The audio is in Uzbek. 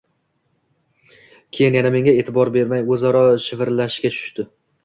Keyin yana menga e`tibor bermay, o`zaro shivirlashishga tushishdi